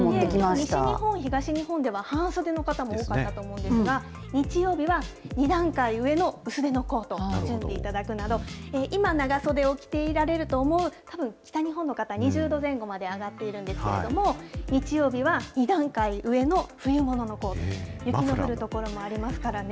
西日本、東日本では半袖の方も多かったと思うんですが、日曜日は、２段階上の薄手のコートを準備していただくなど、今長袖を着ておられる方、たぶん北日本の方、２０度前後まで上がっていくんですけども、日曜日は２段階上の冬物のコート、雪の降る所もありますからね。